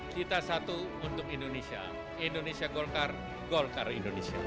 kita satu untuk indonesia indonesia golkar golkar indonesia